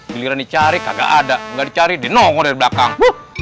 beliran dicari kagak ada enggak dicari dengok belakang